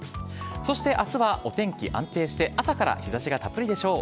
そしてあすは、お天気安定して、朝から日ざしがたっぷりでしょう。